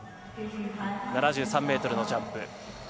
７３ｍのジャンプ。